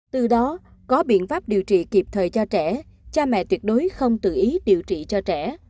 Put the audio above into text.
từ đó có biện pháp điều trị kịp thời cho trẻ cha mẹ tuyệt đối không tự ý điều trị cho trẻ